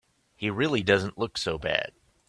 He really doesn't look so bad.